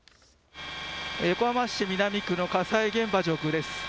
横浜市南区の火災現場上空です。